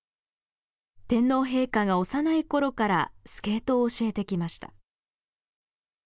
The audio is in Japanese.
天皇陛下が幼い頃からスケートを教えてきました。